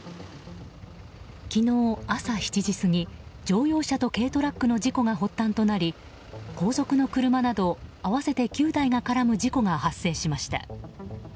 昨日朝７時過ぎ、乗用車と軽トラックの事故が発端となり後続の車など合わせて９台が絡む事故が発生しました。